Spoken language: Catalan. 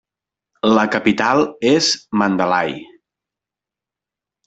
La capital és Mandalay.